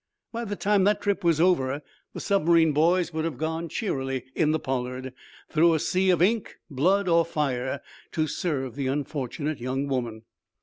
By the time that trip was over the submarine boys would have gone cheerily in the "Pollard?" through a sea of ink, blood or fire to serve the unfortunate young woman.